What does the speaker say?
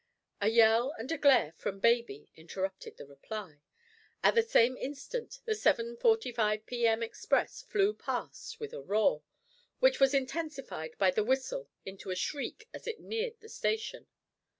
A yell and a glare from baby interrupted the reply. At the same instant the 7:45 p.m. express flew past with a roar, which was intensified by the whistle into a shriek as it neared the station.